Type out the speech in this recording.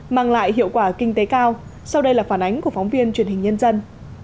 mang lại hiệu quả kinh tế cao sau đây là phản ánh của phóng viên truyền hình nhân dân